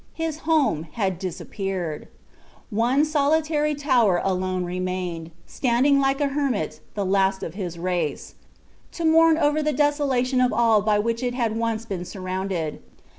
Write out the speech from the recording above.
His home had disappeared: one solitary tower alone remained, standing like "a hermit, the last of his race," to mourn over the desolation of all by which it had once been surrounded.